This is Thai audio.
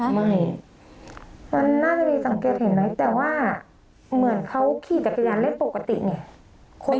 ไม่มันน่าจะมีสังเกตเห็นไหมแต่ว่าเหมือนเขาขี่จักรยานเล่นปกติไง